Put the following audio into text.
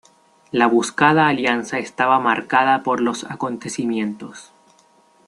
La buscada alianza, estaba marcada por los acontecimientos.